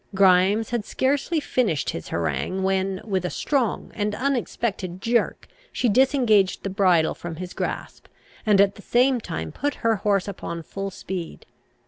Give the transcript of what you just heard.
Grimes had scarcely finished his harangue, when, with a strong and unexpected jerk, she disengaged the bridle from his grasp, and at the same time put her horse upon full speed.